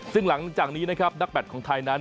ซึ่งหลังจากนี้นะครับนักแบตของไทยนั้น